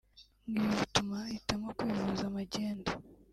ngo ibi bituma hahitamo kwivuza magendu